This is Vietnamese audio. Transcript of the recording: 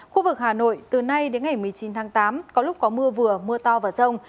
khu vực hà nội từ nay đến ngày một mươi chín tháng tám có lúc có mưa vừa mưa to và rông